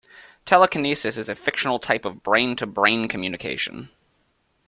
Telekinesis is a fictional type of brain to brain communication.